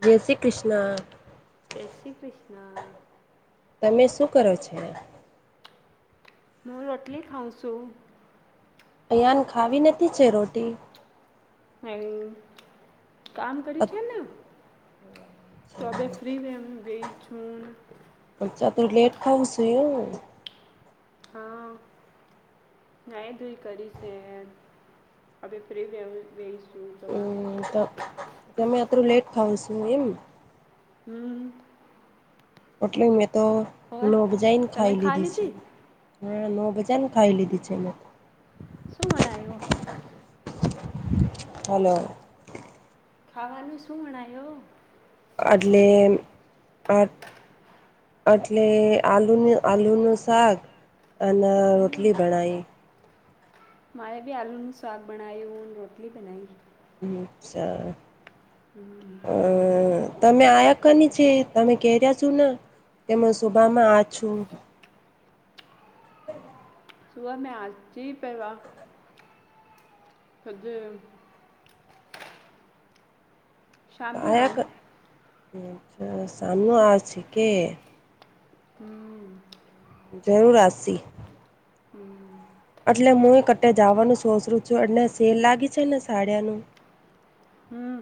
જય શ્રી ક્રિષ્ના. જય શ્રી હા. તમે શું કરો છે? મું રોટલી ખાઉં સુ. અહીયાન ખાવી નથી છે રોટી. હમ, કામ કર્યું છે ને. તો બે ફ્રીમ એમ ગઈ છું. ખઉં છું એ હા ના એ દું કરી છે, અ ફ્રી વશ હમ, તો તમે અત્રરું લેટ ખાવં છું એમ હમ એટલે મેં, તો ઓર નોગજાઈને તમે ખાઈ ખા લીધી છે. હા, નવ બજાનું ખાઈ લીધી છે મેં તો શું વણાયો હલો ખાવાનું શું માણયો અડલે આ એટલે આલુ, આલુ નુ શાક અને, રોટલી હમ બણાઈ મારે ભી આલુ નુ શવાગ બનાઈ, હ રોટલી બનાઈ હમ સરા હમ તમે આયા કની છે, તમે કે્યા છો ને કે હ શોભામાં આ છુ હ સુમાં હાચી પેરા ખજ શામી આઉં અચ્છા, સામનો આ છ કે હમ. જરૂર હાંસી હમ. એટલે હું એ કટે જવાનું સોસરું છું અનેટ સેલ લાગી છે, ને સાડિયાનું હમ.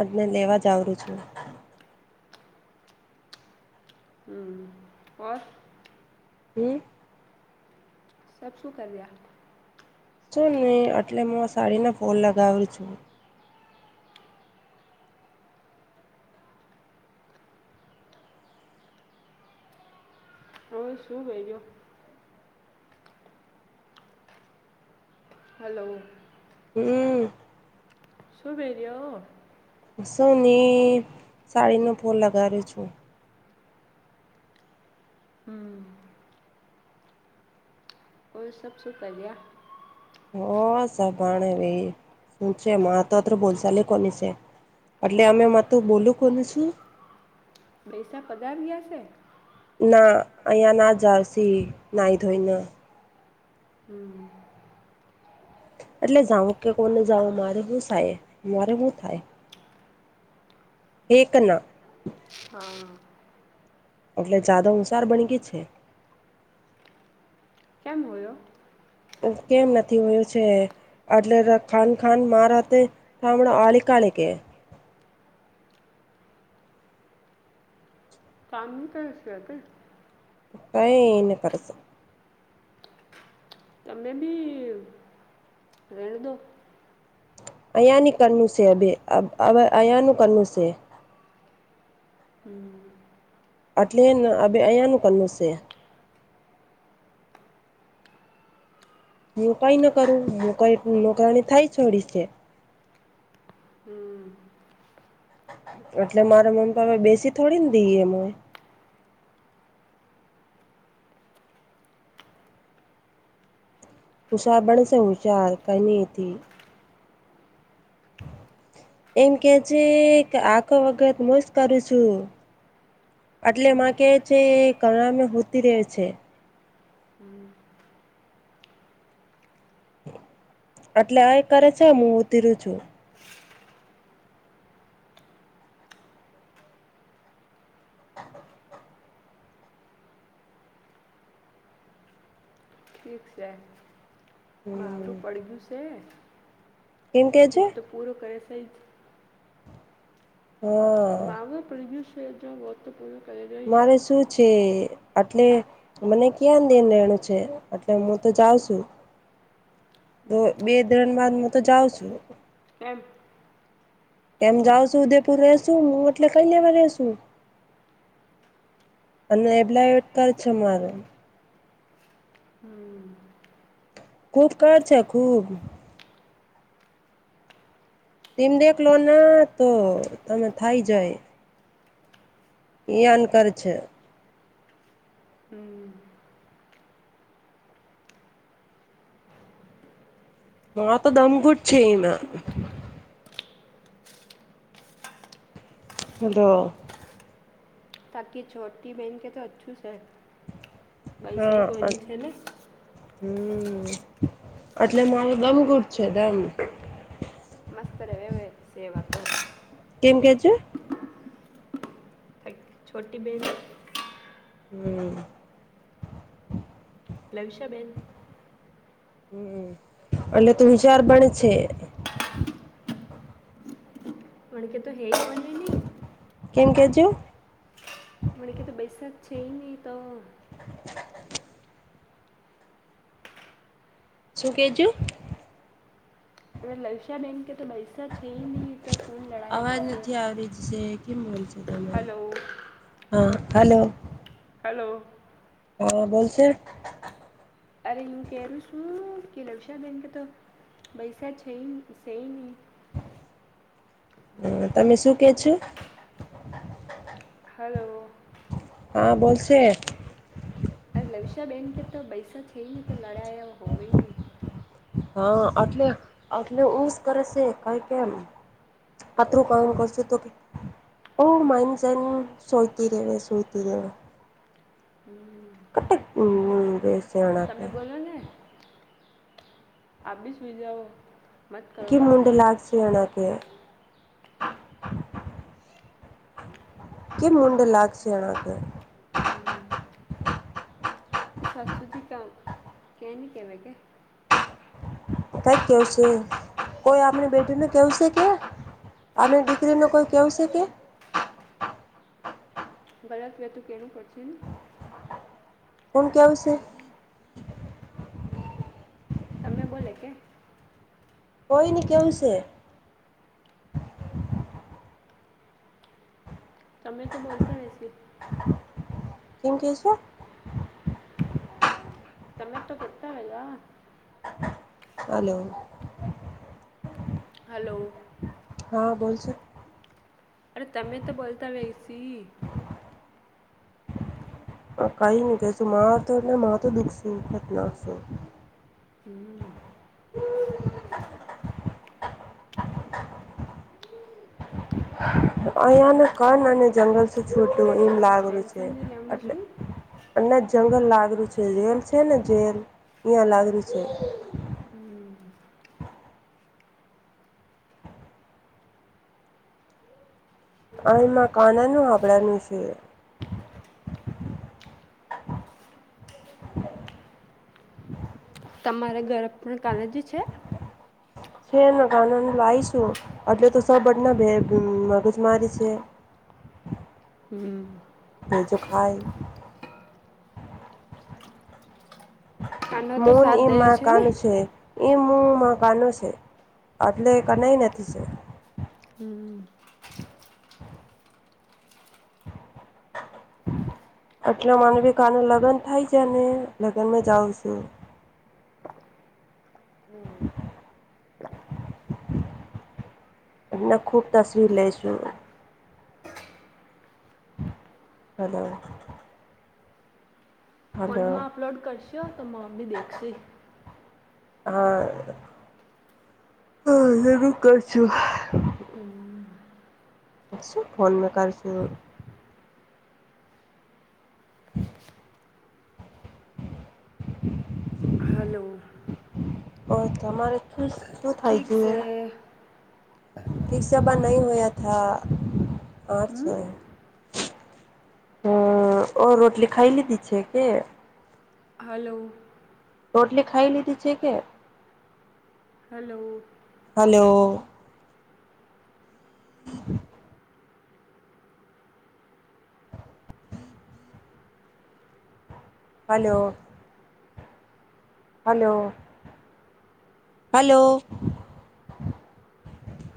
અજને લેવા જ આવડું છું. હમ, ઓર હમ સબ શું, કર રહ્યા શું નહી, એટલે હું સાડીના ફોલ લગાવું છું. હવે શું કર્યો હલો અમ શુભરી યો શું ની, સાડીનો ફૂલ લગાવ્યો છું. હમ. ઓલ, સબ શું કર્યા હો સાભાણે, ભ શું છે મા તોત્ર બોલશાલી કોની છે. એટલે અમે, મા તું બોલું કોને શું ભૈસા પગારયાસે? ના અહીંયા, ના જારસી ના ધોના હમ એટલે જાઉું કે કોને જાાવું, મારે શું સાય મારે શું થાય હેકના હા. એટલે, જાદવ હુંસાર બન ગય છે. ક્યાંમ હોયો કેમ નથી, હોયો છે. એટલે ખાન, ખાન મારા તે થામળો આલી કાલે કે [inaudible] [inaudible] તમે બી રેણ દો અયાની કનુસે અબ અ અયાનુ કનુસે [inaudible] હમ એટલે અહીંયાનું કરવનુછે હું કઈ ન કરું હું કઈ નોકરાણી થાય છોડી છે હમ, એટલે મારા મમ્પાે બેસી થોડીને દઈ એમય ઉસાબણ સં હચાર કઈ ન હતી. [inaudible] એમ કે છે કે આખો વખત હું જ કરું છું. એટલે હમ માં કે છે ઘણામે હોતી રે છે. હમ, એટલે આ એ કરે છે હું ઉતરું છું. [inaudible] ઠીક છે હમ માવરું પડ્યું છે? કેમ કે છે ઓ તો પૂરો કરસે હા માગ પ્રુષ વત પ- - મારે શું છે. એટલે મને ક્યા દેન રહેણું છે એટલે હું તો જાઉ છું. તો બે ધરણ બાદ હું તો જાઉ છું. એમ. એમ જાઉ છું ઉદેપુર રહેશુ હું એટલે કઈ લેવા રેશુ? અને એબ્લાટ કર છે મારો. હમ ખૂબ કર છે ખૂબ. ટિમ દેખલો ના તો તમે થઇ જાય અનકર છે. હમ મા તો દમઘુટ છેઈને હલોલો. તાકી છોટી બહેન કે તો અચ્છું સે. ભૈસઈ હા કોઈની છે ને? હમ એટલે મારું દમઘુટ છે ડમ. મસ્ત રહેવે સેવા તો કેમ કેજું? છોટી બેન- - હમ્. લવશબેન- - હમ એટલે તુંસાર પણ છે. મણ કે તું હે- - કેમ કેજો- - મ કે તો બેૈસા જ છે નહી તો? શું કેજું? એ લશિયા બેન- - તો પૈસા છે ન તો ફોન લડાાયા અવાજ કરશે નથી આવી છે કેમ બોલ છે તમે હલો- - હા હલોો. હલો. હા બોલશે. અરે હું કેું શું કે લવશા બેંક તો- - પૈસા છે સઈ ની- - હ તમે શું કે છો? હલો. હા, બોશે. અ લવશા બેન કે તો પૈસા છે, નને તો લડાાય હોવે નને- - હા, એટલે, એટલે એજ કરે છે, કઈ કેમ- - પત્રરુ કામ કરશ, તો કે? ઓ મામ જેન સઈતી, દેવે સઈતી દેવે- - હમ. [unintelligible] તમે બોલો ને આબી સુઈ, જાઓ. ક મુડ, લાગસિયાણા ક્યા? કેમ મુડ લાગક્ષી, આ કે- - હમ, તો સાસુજી ક કે ન, કે લ કે? કઈ કેવશે કોઈ આપણી, બેટી ન કેવશે કે- - આની દીકરી ન કોઈ કેવું છે, કે ગલત વતું કેનું કરશે. [unintelligible] કોણ, ક્યા વિશે તમે બોલે કે. કોઈ, ન કેવ છે. તમે તો, બોલતા હસી. કેમ, કે છ. તમે તો કેતા, હે ગ હલો. હલોો. હા, બોશ અરે, તમે તો બોલતા વહીસી. હ કઈ, ન કહેશુંમા તો ને મા તો દુખસુંત ના છું. હમ્મ. અહંયા, ન કન અને જંગલ શું છોટું આપણે એમ લાગ્યું છે, ટેન્શન ને લેવાનું એટલે શું અને જ લાગડ્યું છે, જેલ છેને, જેલ યાં લાગર્યું, છે. હમ્મ. અ એમાં કનાનુ હડાનુ છે. તમારા, ઘર પણ કાલેજ છે. છે, ગાના લાવશુ એટલે તો સબટના મગજમારી છે. હ હમ્મ. ભ જોો, ખાય કાનો તો સાથ મનઈ દે મા કાન ને છે, ઈ મુ મકાનો છે, એટલે કનાઈ નથી છે. હમ્મ. હમ્મ. એટલે મને ભી કાનું લગ્ન થાય જાય, ને લગ્નમાં જાઉ છુ. [inaudible] [unintelligible] એમને ખૂબ તસવીર, લઈશુ હલો. હલો ફનમા અપલોડ કરશો, તો મમ્મી દેખશ. હા, હા એું કરશું. હમ્મ શું ફોન મે કર છું. [unintelligible] હલો ઓ તમારે ઠૂસ ઠીક સે ઠીક છેબ નહી, હોયા થ હમ આઠસોએ હ ઓ રોટલી ખાઈલીીધી છે, કે હલોો ટોટલી ખાઈ લીધી છે, કે hello hello [unintelligible] hello hello, hello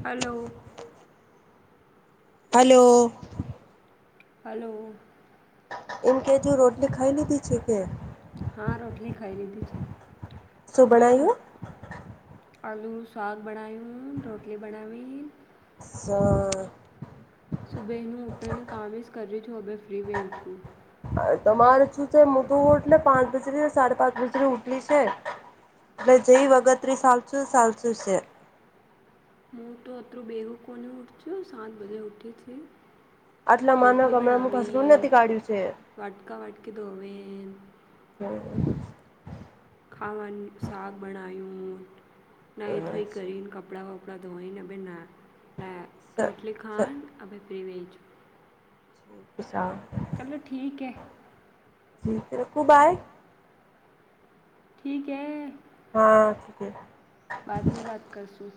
hello hello. Hello. એમ કેજુ રોટલી ખાઈ લીધી છે, કે હા, રોટલી ખાઈ લીધી છે. સુું બણાયુ આળુ સાોગ બનાાયું, રોટલી બનાવી સ સુબૈનું ઉટન, કાવ્યસ કર છું, હવે ફ્રી વેવ છુ. તમારે શું છે, હ તોુ હોટલે પાંચ બજેથી સાડા પાંચ બજેથી ઓટલી છે. એટલે જઈ વગતરી સાાલસું ચાલસું છે. હુ તો અતરું બેગુ કોની ઉઊઠ છુ, સાત બજે ઊઠી છ. આટલા માનવ રોટલી ગમણામાં બનાવે, ઘસરું નથી કાઢ્યું છે વાટકા વાટકી ધોવે હમ ખાવાનું સાક બણાયું નાઈ, ધોઈ કરીને, કપડાં વપ કપડાં ધોઈને, અ બે ના ના રોટલી ખણ અભ પ્રીવેેજ સા ચલોો ઠીક હે. જી, રકું બાય ઠીક, એ હા, ઠીક હૈ. બાદ, મે વાત કરશું